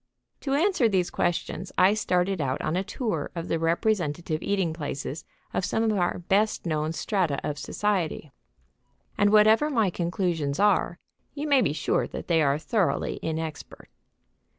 To answer these questions I started out on a tour of the representative eating places of some of our best known strata of society, and, whatever my conclusions are, you may be sure that they are thoroughly inexpert.